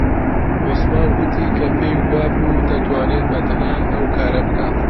عوسمان گوتی کە پێی وابوو دەتوانێت بەتەنها ئەو کارە بکات.